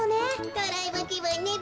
ドライブきぶんねべ。